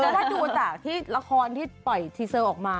แล้วถ้าดูจากที่ละครที่ปล่อยทีเซอร์ออกมา